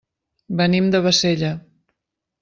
Venim de Bassella.